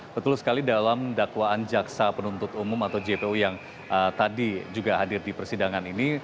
betul sekali dalam dakwaan jaksa penuntut umum atau jpu yang tadi juga hadir di persidangan ini